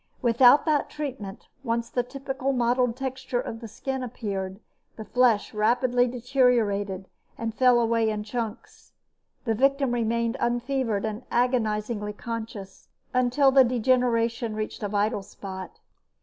Without that treatment, once the typical mottled texture of the skin appeared, the flesh rapidly deteriorated and fell away in chunks. The victim remained unfevered and agonizingly conscious until the degeneration reached a vital spot.